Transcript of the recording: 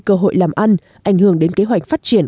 cơ hội làm ăn ảnh hưởng đến kế hoạch phát triển